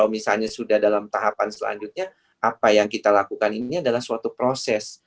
misalnya sudah dalam tahapan selanjutnya apa yang kita lakukan ini adalah suatu proses